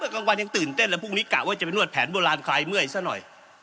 กลางวันยังตื่นเต้นแล้วพรุ่งนี้กะว่าจะไปนวดแผนโบราณคลายเมื่อยซะหน่อย